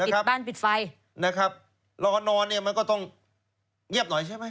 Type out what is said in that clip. ปิดบ้านปิดไฟนะครับรอนอนเนี่ยมันก็ต้องเงียบหน่อยใช่ไหม